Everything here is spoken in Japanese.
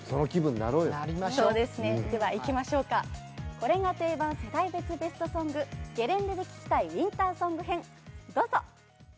これが定番世代別ベストソングゲレンデで聴きたいウインターソング編どうぞ。